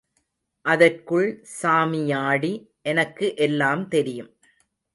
அதற்குள் சாமியாடி, எனக்கு எல்லாம் தெரியும்.